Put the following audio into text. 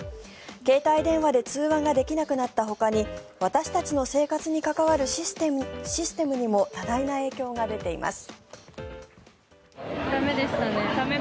携帯電話で通話ができなくなったほかに私たちの生活に関わるシステムにも多大な影響が出ています。